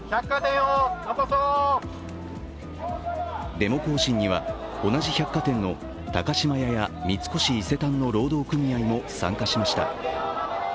デモ行進には同じ百貨店の高島屋や三越伊勢丹の労働組合も参加しました。